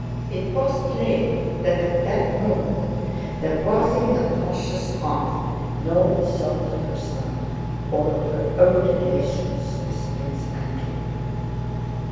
It was plain that at that moment there was in Natásha's heart no thought of herself or of her own relations with Prince Andrew.